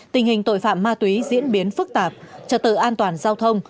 tình hình tội phạm ma túy diễn biến phức tạp trật tự an toàn giao thông